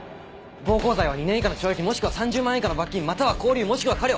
暴行罪は２年以下の懲役もしくは３０万円以下の罰金または拘留もしくは科料。